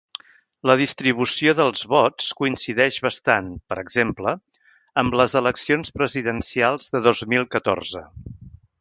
La distribució dels vots coincideix bastant, per exemple, amb les eleccions presidencials de dos mil catorze.